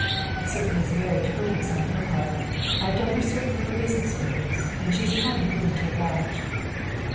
It certainly is very courteous on her part. I have done her certain little business favors and she is kindly willing to oblige."